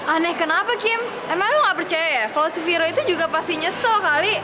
aneh kenapa kim emang lu gak percaya ya kalau sufiro itu juga pasti nyesel kali